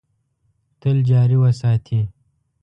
تل جاري وساتي .